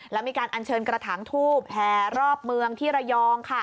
และมีการอัญเชิญกระถางทูบแห่รอบเมืองที่ระยอง